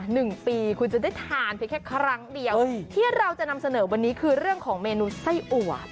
หนึ่งปีคุณจะได้ทานเพียงแค่ครั้งเดียวที่เราจะนำเสนอวันนี้คือเรื่องของเมนูไส้อัว